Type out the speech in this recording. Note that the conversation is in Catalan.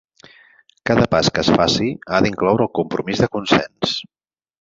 Cada pas que es faci ha d’incloure el compromís de consens.